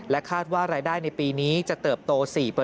คาดว่ารายได้ในปีนี้จะเติบโต๔